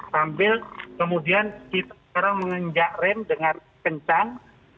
sambil kemudian kita sekarang menginjak rem dengan kencang